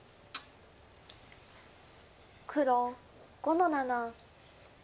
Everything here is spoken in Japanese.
黒５の七。